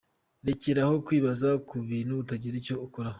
Rekeraho kwibaza ku bintu utagira icyo ukoraho .